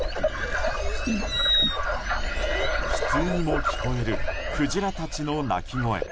悲痛にも聞こえるクジラたちの鳴き声。